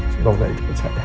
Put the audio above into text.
semoga hidupnya sadar